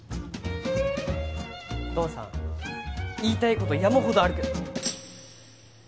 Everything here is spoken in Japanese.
父さん言いたい事山ほどあるけど。